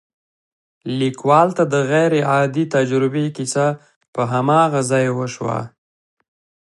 ليکوال ته د غير عادي تجربې کيسه په هماغه ځای وشوه.